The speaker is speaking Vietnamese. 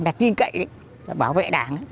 đặt tin cậy đấy bảo vệ đảng